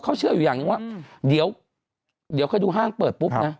เขาเชื่ออยู่อย่างหนึ่งว่าเดี๋ยวเคยดูห้างเปิดปุ๊บนะ